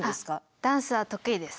ダンスは得意です。